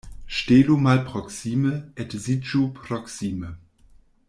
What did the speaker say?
Ŝtelu malproksime, edziĝu proksime.